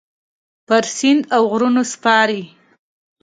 پر سیند اوغرونو سپارې